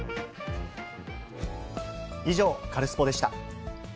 以上、カルスポっ！でした。